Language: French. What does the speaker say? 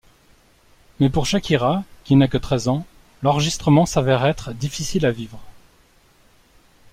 Mais pour Shakira, qui n'a que treize ans, l'enregistrement s'avère être difficile à vivre.